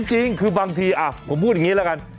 จริงคือบางทีผมพูดอันนี้แล้วกัน